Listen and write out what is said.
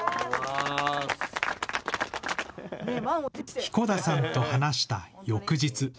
彦田さんと話した翌日。